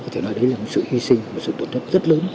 có thể nói đấy là một sự hy sinh một sự tổn thất rất lớn